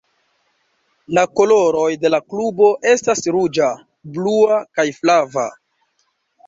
La koloroj de la klubo estas ruĝa, blua, kaj flava.